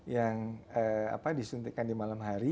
yang disuntikkan di malam hari